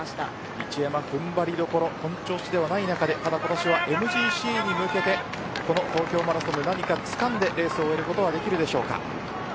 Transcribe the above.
一山の踏ん張りどころ本調子ではない中でＭＧＣに向けて何かつかんでレースを終えることができるでしょうか。